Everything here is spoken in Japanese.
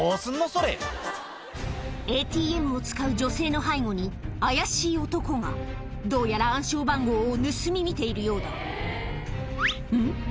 それＡＴＭを使う女性の背後に怪しい男がどうやら暗証番号を盗み見ているようだうん？